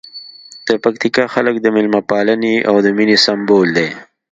د پکتیکا خلک د مېلمه پالنې او مینې سمبول دي.